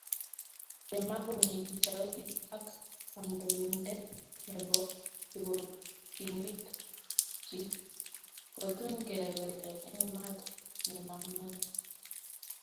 Chemakonyiti sautik ak amndoindet nebo kibotinik chiik, kotun kebele eng maat nemamei